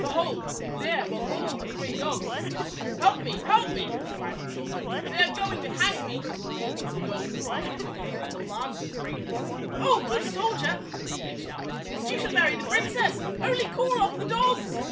Behold, there were all the three dogs ! "Help me! Help me!" cried the soldier. "They are going to hang me!" The dogs rushed at the people, and alarmed them greatly. "Oh, good soldier," they shouted, "you shall marry the princess. Only call off the dogs!"